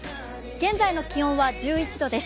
現在の気温は１１度です。